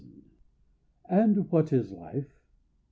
And what is Life?